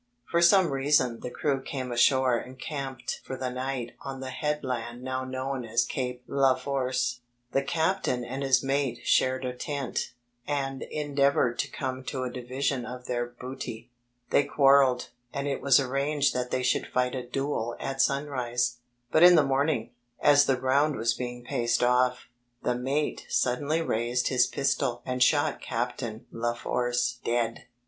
For some reason the crew came ashore and camped for the night on the headland now known as Cape Leforce. The captain and his mate shared a tent, and endeavoured to come to a division of their booty. They quarrelled, and it was arranged that they should fight a duel at sunrise. But in the mOming, as the ground was being paced off, the mate suddenly raised his pistol and shot Captain Leforce dead.